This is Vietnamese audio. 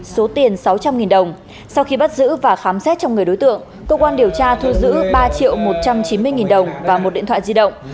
số tiền sáu trăm linh đồng sau khi bắt giữ và khám xét trong người đối tượng cơ quan điều tra thu giữ ba triệu một trăm chín mươi nghìn đồng và một điện thoại di động